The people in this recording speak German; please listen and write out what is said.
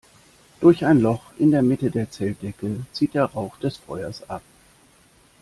Durch ein Loch in der Mitte der Zeltdecke zieht der Rauch des Feuers ab.